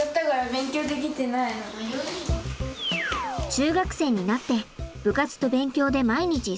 中学生になって部活と勉強で毎日忙しい芽依さん。